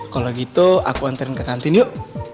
kalo gitu aku anterin ke kantin yuk